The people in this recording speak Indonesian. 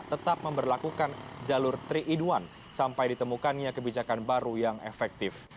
tetap memperlakukan jalur tiga in satu sampai ditemukannya kebijakan baru yang efektif